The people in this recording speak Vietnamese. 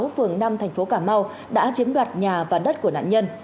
phường năm thành phố cà mau đã chiếm đoạt nhà và đất của nạn nhân